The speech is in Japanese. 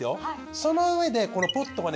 その上でこのポットがね